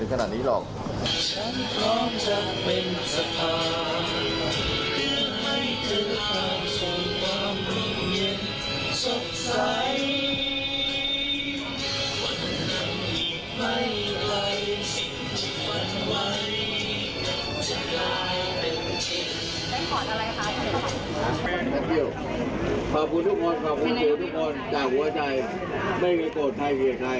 ไม่เคยโกรธใครเคยใครไม่มี